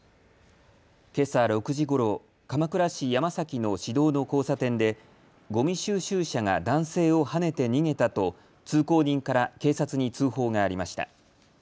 けさ６時ごろ、鎌倉市山崎の市道の交差点でごみ収集車が男性をはねて逃げたと通行人から警察に通報がありました。